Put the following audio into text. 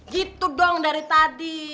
gitu dong dari tadi